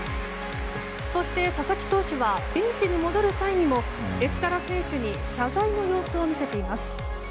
そして、佐々木投手はベンチに戻る際にもエスカラ選手に謝罪の様子を見せています。